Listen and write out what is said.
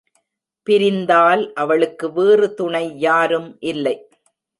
பிரிந்தால் அவளுக்கு வேறு துணை யாரும் இல்லை.